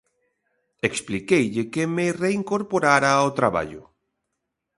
Expliqueille que me reincorporara ao traballo.